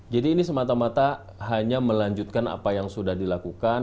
jadi ini semata mata hanya melanjutkan apa yang sudah dilakukan